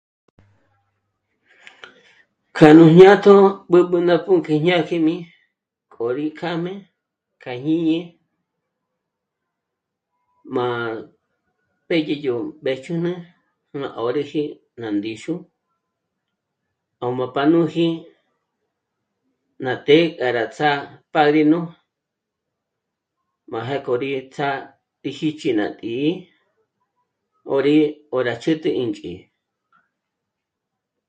K'a nú jñátjo b'ǚb'ü ná pǔnk'ü ñájkjim'i kjo rí kjám'e k'a jñíni m'a pë́dyi yó mbéch'üne ná 'ö̀riji ná ndíxu ó m'a pá' nú jí'i ná të́'ë k'a rá ts'á'a padrino m'á jé'e k'o rí ts'á'a í jích'i ná tǐ'i 'ö̀ri ó rá ch'ü̂ntüji ínch'ǐ'i